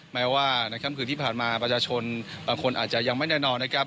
แม้ว่าที่ผ่านมาประชาชนบางคนอาจจะยังไม่แน่นอน